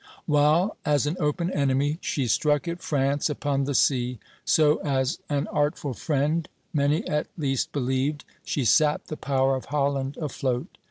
While as an open enemy she struck at France upon the sea, so as an artful friend, many at least believed, she sapped the power of Holland afloat.